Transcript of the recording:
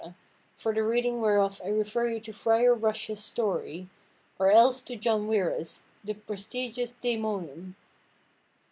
for the reading whereof I referre you to frier Rush his storie, or else to John Wierus, De Præstigiis Dæmonum."